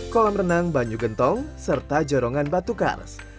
kolam renang banyu gentong serta jorongan batu kars